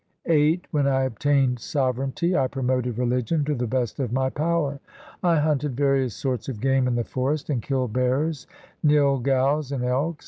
VIII When I obtained sovereignty, I promoted religion to the best of my power. I hunted various sorts of game in the forest, And killed bears, nilgaus, 2 and elks.